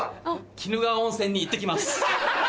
鬼怒川温泉に行って来ます。